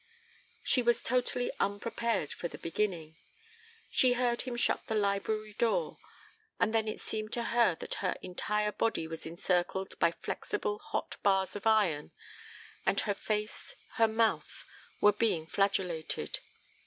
She was totally unprepared for the beginning. She heard him shut the library door, and then it seemed to her that her entire body was encircled by flexible hot bars of iron and her face, her mouth, were being flagellated.